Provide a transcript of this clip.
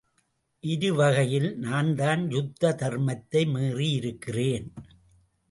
இருவகையில் நான்தான் யுத்த தர்மத்தை மீறியிருக்கிறேன்.